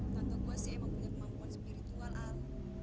tante gue sih emang punya kemampuan spiritual al